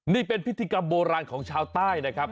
นี่เป็นพิธีกรรมโบราณของชาวใต้นะครับ